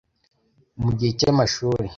mu gihe cy amashuri